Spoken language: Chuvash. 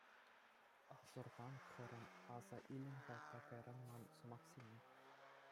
Асӑрхан, хӗрӗм, аса илӗн-ха та кайран ман сӑмахсене.